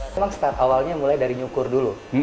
memang awalnya mulai dari nyukur dulu